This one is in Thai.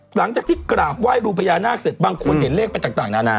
หลังจากที่กราบไหว้รูพญานาคเสร็จบางคนเห็นเลขไปต่างนานา